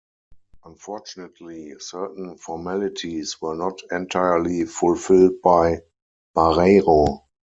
Unfortunately certain formalities were not entirely fulfilled by Bareiro.